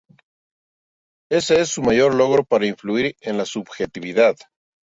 Ese es su mayor logro para influir en la subjetividad.